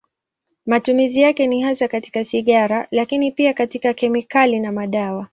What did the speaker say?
Matumizi yake ni hasa katika sigara, lakini pia katika kemikali na madawa.